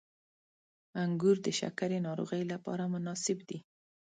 • انګور د شکرې ناروغۍ لپاره مناسب دي.